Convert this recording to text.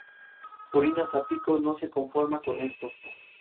Caben otras interpretaciones, como la de que se trataba de un edificio comercial.